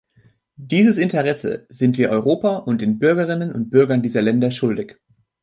Dieses Interesse sind wir Europa und den Bürgerinnen und Bürgern dieser Länder schuldig.